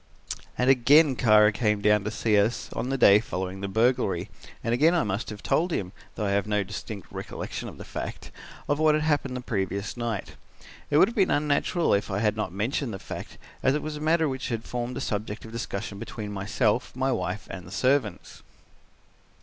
"And again Kara came down to see us on the day following the burglary, and again I must have told him, though I have no distinct recollection of the fact, of what had happened the previous night. It would have been unnatural if I had not mentioned the fact, as it was a matter which had formed a subject of discussion between myself, my wife and the servants.